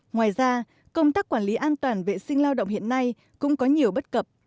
ngoài ra công tác quản lý an toàn vệ sinh lao động hiện nay cũng có nhiều bất cập